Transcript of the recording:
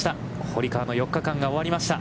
堀川の４日間が終わりました。